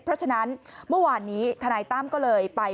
เพราะฉะนั้นเมื่อวานนี้ทนายตั้มก็เลยไป